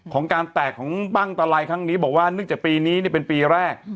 การแตกของบ้างตะไลครั้งนี้บอกว่าเนื่องจากปีนี้เป็นปีแรก